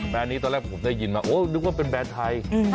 นี้ตอนแรกผมได้ยินมาโอ้นึกว่าเป็นแบรนด์ไทย